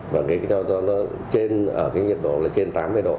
và ở nhiệt độ trên tám mươi độ